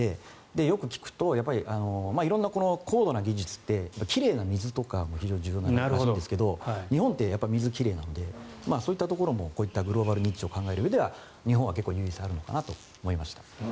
よく聞くと色んな高度な技術って奇麗な水とかも重要らしいですが日本は水が奇麗なのでそういったところもグローバルニッチトップ企業を考えるうえでは日本はニーズがあるのかなと思いました。